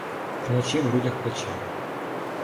Вночі в грудях пече.